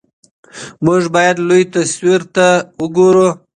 موږ باید لوی تصویر ته وګورو.